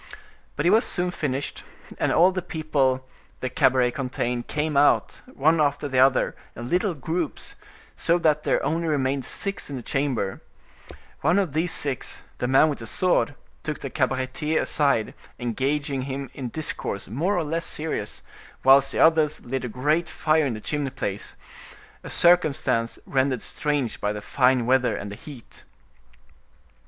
But it was soon finished, and all the people the cabaret contained came out, one after the other, in little groups, so that there only remained six in the chamber; one of these six, the man with the sword, took the cabaretier aside, engaging him in discourse more or less serious, whilst the others lit a great fire in the chimney place—a circumstance rendered strange by the fine weather and the heat.